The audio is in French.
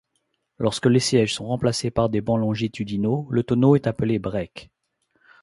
Lorsque les sièges sont remplacés par des bancs longitudinaux, le tonneau est appelé break.